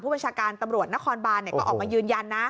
ประชาการตำรวจนครบานก็ออกมายืนยันนะ